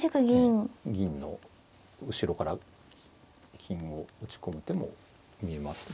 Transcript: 銀の後ろから金を打ち込む手も見えますね。